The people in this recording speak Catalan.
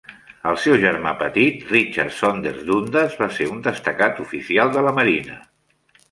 El seu germà petit, Richard Saunders Dundas, va ser un destacat oficial de la marina.